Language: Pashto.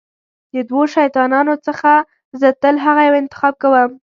د دوو شیطانانو څخه زه تل هغه یو انتخاب کوم.